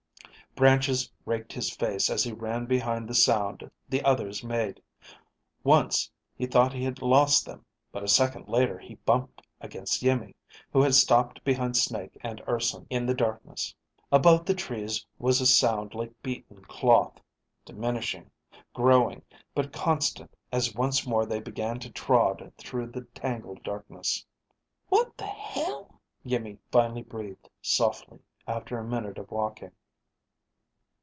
Branches raked his face as he ran behind the sound the others made. Once he thought he had lost them, but a second later he bumped against Iimmi, who had stopped behind Snake and Urson, in the darkness. Above the trees was a sound like beaten cloth, diminishing, growing, but constant as once more they began to trod through the tangled darkness. "What the hell ..." Iimmi finally breathed softly, after a minute of walking.